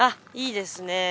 いいですね。